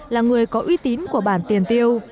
là người có uy tín của bản tiền tiêu